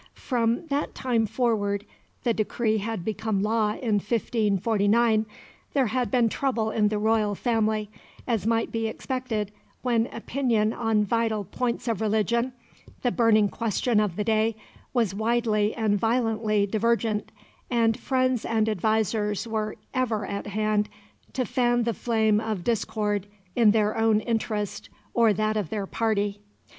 From that time forward the decree had become law in 1549 there had been trouble in the royal family, as might be expected when opinion on vital points of religion, the burning question of the day, was widely and violently divergent, and friends and advisers were ever at hand to fan the flame of discord in their own interest or that of their party.